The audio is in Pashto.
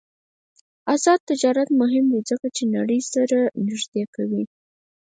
آزاد تجارت مهم دی ځکه چې نړۍ سره نږدې کوي.